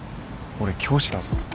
俺教師だぞ。